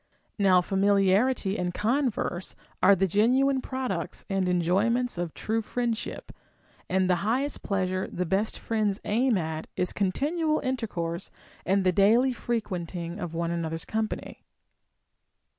Now familiarity and converse are the genuine products and enjoyments of true friendship, and the highest pleasure the best friends aim at is continual intercourse and the daily frequenting one another's com pany.